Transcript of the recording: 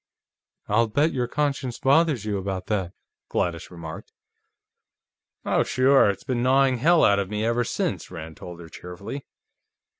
"I'll bet your conscience bothers you about that," Gladys remarked. "Oh, sure; it's been gnawing hell out of me, ever since," Rand told her cheerfully.